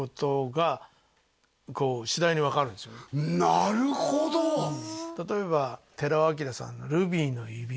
なるほどうん例えば寺尾聰さんの「ルビーの指環」